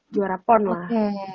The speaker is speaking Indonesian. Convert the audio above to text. juara pon lah